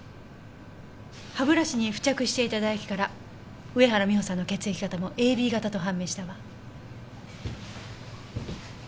歯ブラシに付着していた唾液から上原美帆さんの血液型もＡＢ型と判明したわ。